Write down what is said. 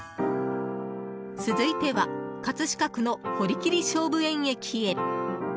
続いては葛飾区の堀切菖蒲園駅へ。